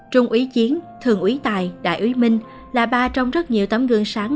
trung ý chiến thường úy tài đại úy minh là ba trong rất nhiều tấm gương sáng